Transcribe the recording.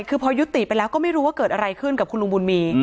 คือพอยุติไปแล้วก็ไม่รู้ว่าเกิดอะไรขึ้นกับคุณลุงบุญมี